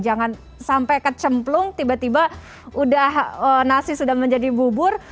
jangan sampai kecemplung tiba tiba nasi sudah menjadi bubur